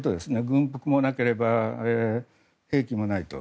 軍服もなければ兵器もないと。